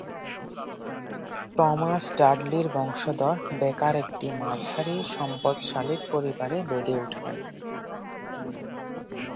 Thomas ডাডলির বংশধর Baker একটি মাঝারি সম্পদশালী পরিবারে বেড়ে ওঠেন।